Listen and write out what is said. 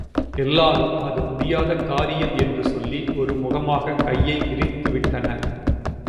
எல்லாரும் அது முடியாத காரியம் என்று சொல்லி ஒருமுகமாக கையை விரித்துவிட்டனர்.